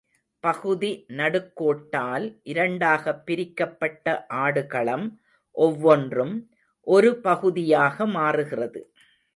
பகுதி நடுக்கோட்டால் இரண்டாகப் பிரிக்கப்பட்ட ஆடுகளம் ஒவ்வொன்றும், ஒரு பகுதியாக மாறுகிறது.